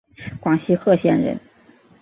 广西贺县人。